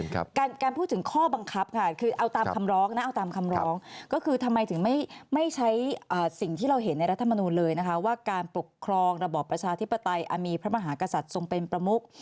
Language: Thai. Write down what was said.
การพูดถึงข้อบังคับค่ะคือเอาตามคำร้องนะเอาตามคำร้องก็คือทำไมถึงไม่ใช้สิ่งที่เราเห็นในรัฐมนูลเลยนะคะว่าการปกครองระบอบประชาธิปไตยอาจมีพระมหากษัตริย์ทรงเป็นประมุก